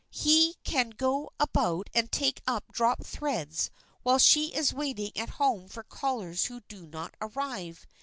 He can go about and take up dropped threads while she is waiting at home for callers who do not arrive.